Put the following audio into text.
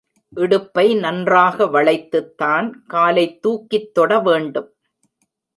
இடுப்பை நன்றாக வளைத்துத் தான் காலை தூக்கித் தொட வேண்டும்.